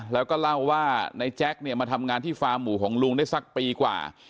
แล้วก็เล่าว่าในแจ๊คเนี่ยมาทำงานที่ฟาร์มหมู่ของลุงได้สักปีกว่า